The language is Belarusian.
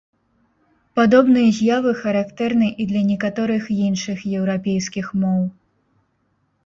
Падобныя з'явы характэрны і для некаторых іншых еўрапейскіх моў.